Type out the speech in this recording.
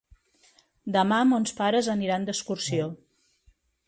Demà mons pares aniran d'excursió.